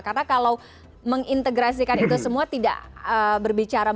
karena kalau mengintegrasikan itu semua tidak berbicara menggunakan kendaraan